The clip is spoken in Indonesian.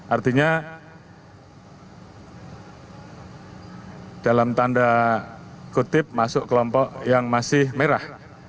artinya dalam tanda kutip masuk kelompok yang masih merah